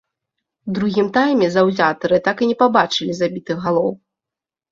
У другім тайме заўзятары так і не пабачылі забітых галоў.